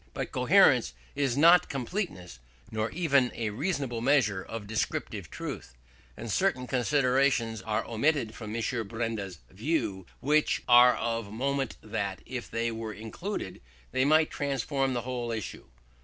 But coherence is not completeness, nor even a reasonable measure of descriptive truth; and certain considerations are omitted from M. Benda's view which are of such moment that, if they were included, they might transform the whole issue.